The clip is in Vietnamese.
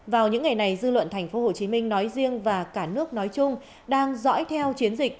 vào những ngày này dư luận tp hcm nói riêng và cả nước nói chung đang dõi theo chiến dịch